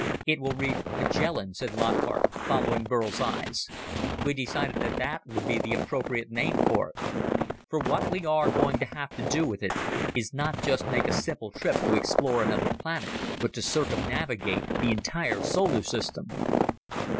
"It will read Magellan," said Lockhart, following Burl's eyes. "We decided that that would be the appropriate name for it. For what we are going to have to do with it is not just to make a simple trip to explore another planet, but to circumnavigate the entire solar system."